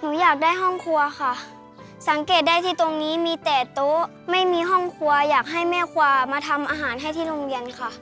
หนูอยากได้ห้องครัวค่ะสังเกตได้ที่ตรงนี้มีแต่โต๊ะไม่มีห้องครัวอยากให้แม่ครัวมาทำอาหารให้ที่โรงเรียนค่ะ